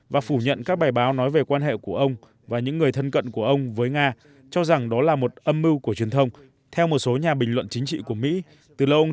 và phủ nhận các bài báo nói về quan hệ của ông và những người thân cận của ông với những người thân cận của ông